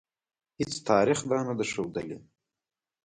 هیڅ تاریخ دا نه ده ښودلې.